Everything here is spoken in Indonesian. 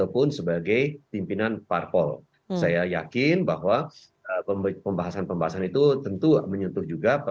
pembahasan pembahasan itu tentu menyentuh juga